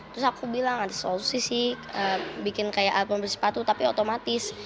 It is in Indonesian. terus aku bilang ada solusi sih bikin kayak alat pembeli sepatu tapi otomatis